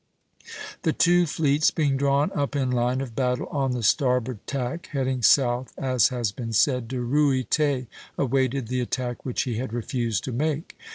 The two fleets being drawn up in line of battle on the starboard tack, heading south, as has been said, De Ruyter awaited the attack which he had refused to make.